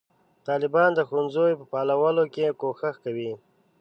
طالبان د ښوونځیو په فعالولو کې کوښښ کوي.